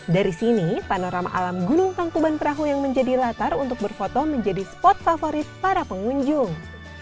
dari sini panorama alam gunung tangkuban perahu yang menjadi latar untuk berfoto menjadi spot favorit para pengunjung